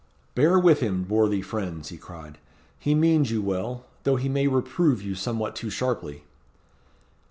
"Bear with him, worthy friends," he cried, "he means you well, though he may reprove you somewhat too sharply."